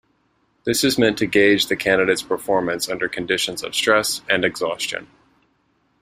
This is meant to gauge the candidate's performance under conditions of stress and exhaustion.